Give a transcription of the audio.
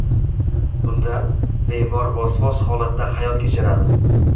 Bunda, bemor vosvos holatda hayot kechiradi.